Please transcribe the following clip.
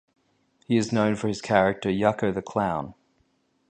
He is known for his character Yucko the Clown.